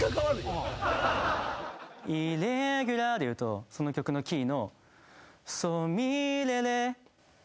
「イレギュラー」でいうとその曲のキーの。